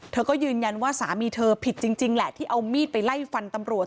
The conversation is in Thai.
เธอก็ยืนยันว่าสามีเธอผิดจริงแหละที่เอามีดไปไล่ฟันตำรวจ